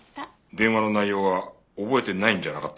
電話の内容は覚えてないんじゃなかったのか？